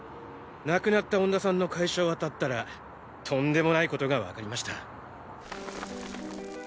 亡くなった恩田さんの会社を当たったらとんでもないことがわかりました。